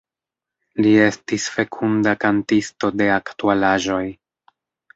Li estis fekunda kantisto de aktualaĵoj.